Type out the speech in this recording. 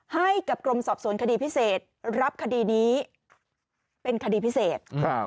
ให้กับกรมสอบสวนคดีพิเศษรับคดีนี้เป็นคดีพิเศษ